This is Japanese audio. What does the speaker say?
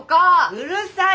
うるさい！